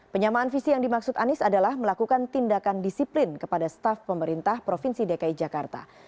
penyamaan visi yang dimaksud anies adalah melakukan tindakan disiplin kepada staf pemerintah provinsi dki jakarta